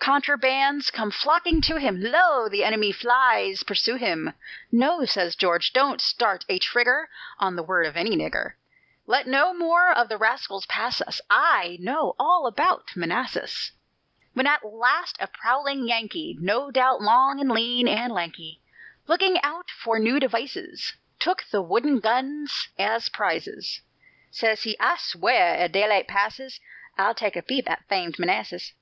Contrabands come flocking to him: "Lo! the enemy flies pursue him!" "No," says George, "don't start a trigger On the word of any nigger; Let no more of the rascals pass us, I know all about Manassas." When at last a prowling Yankee No doubt long, and lean, and lanky Looking out for new devices, Took the wooden guns as prizes, Says he: "I sweow, ere daylight passes I'll take a peep at famed Manassas."